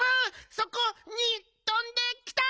そこにとんできた！